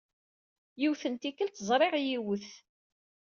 Yiwet n tikkelt, ẓriɣ yiwet.